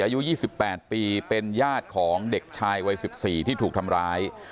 อายุยี่สิบแปดปีเป็นยาดของเด็กชายวัยสิบสี่ที่ถูกทำร้าย